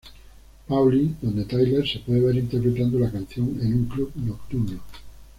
Pauli, donde Tyler se puede ver interpretando la canción en un club nocturno.